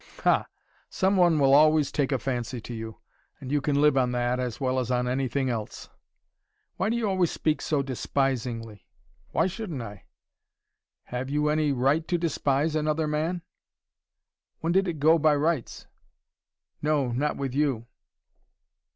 "Ha! Somebody will always take a fancy to you. And you can live on that, as well as on anything else." "Why do you always speak so despisingly?" "Why shouldn't I?" "Have you any right to despise another man?" "When did it go by rights?" "No, not with you."